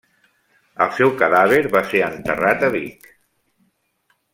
El seu cadàver va ser enterrat a Vic.